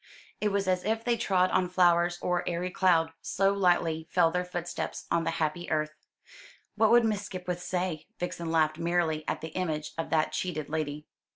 It was as if they trod on flowers or airy cloud, so lightly fell their footsteps on the happy earth. What would Miss Skipwith say? Vixen laughed merrily at the image of that cheated lady.